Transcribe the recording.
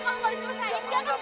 kamu mau selesai